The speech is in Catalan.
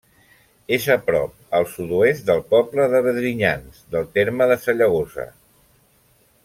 És a prop al sud-oest del poble de Vedrinyans, del terme de Sallagosa.